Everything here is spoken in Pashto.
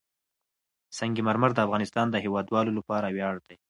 سنگ مرمر د افغانستان د هیوادوالو لپاره ویاړ دی.